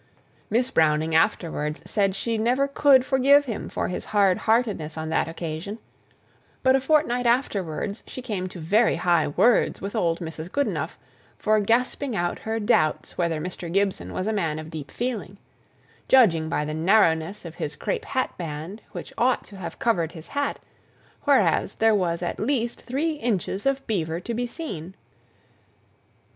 Miss Browning declared she never could forgive him for his hard heartedness on that occasion; but a fortnight afterwards she came to very high words with old Mrs. Goodenough, for gasping out her doubts whether Mr. Gibson was a man of deep feeling; judging by the narrowness of his crape hat band, which ought to have covered his hat, whereas there was at least three inches of beaver to be seen.